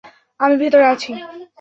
আমি ভেতরে আছি।